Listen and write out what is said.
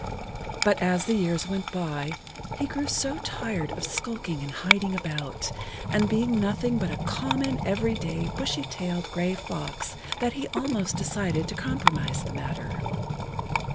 But as the years went by he grew so tired of skulking and hiding[Pg 7] about, and being nothing but a common, every day, bushy tailed gray fox that he almost decided to compromise the matter.